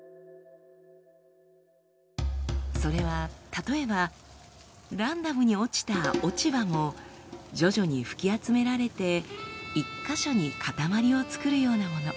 それは例えばランダムに落ちた落ち葉も徐々に吹き集められて１か所にかたまりを作るようなもの。